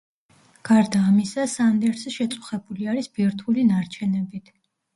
გარდა ამისა, სანდერსი შეწუხებული არის ბირთვული ნარჩენებით.